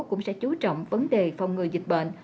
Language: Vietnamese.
cũng sẽ chú trọng vấn đề phòng ngừa dịch bệnh